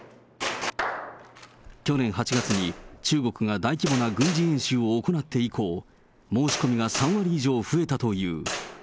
去年８月に、中国が大規模な軍事演習を行って以降、申し込みが３割以上増えたという。